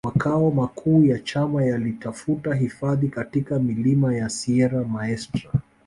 Makao makuu ya chama yalitafuta hifadhi katika milima ya Sierra Maestra